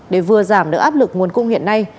để vừa giảm được áp lực nguồn cung hiện nay